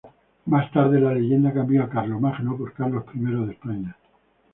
Más tarde, la leyenda cambió a Carlomagno por Carlos I de España.